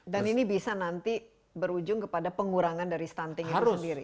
dan ini bisa nanti berujung kepada pengurangan dari stunting itu sendiri